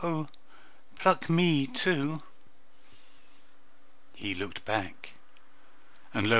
oh, please pluck me too!" He looked back, and lo!